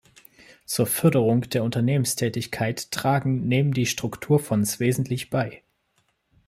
Zur Förderung der Unternehmenstätigkeittragen nehmen die Strukturfonds wesentlich bei.